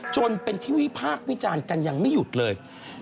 จนเป็นทีวิพาร์กวิจารณ์กันไม่อยู่เลย